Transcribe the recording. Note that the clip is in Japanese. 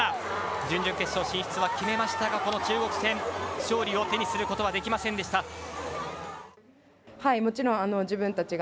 準々決勝進出は決めましたがこの中国戦勝利を手にすることはできませんでした。